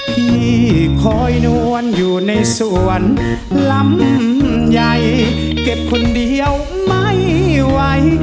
ที่คอยนวลอยู่ในสวนลำใหญ่เก็บคนเดียวไม่ไหว